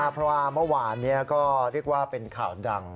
เพราะว่าเมื่อวานนี้ก็เรียกว่าเป็นข่าวดัง